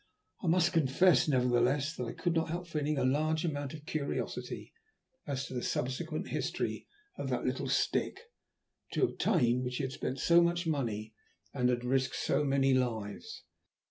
I must confess, nevertheless, that I could not help feeling a large amount of curiosity as to the subsequent history of that little stick, to obtain which he had spent so much money, and had risked so many lives.